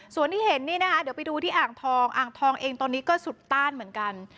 ส่วนที่เห็นนี่นะคะเดี๋ยวไปดูที่อ่างทองอ่างทองเองตอนนี้ก็สุดต้านเหมือนกัน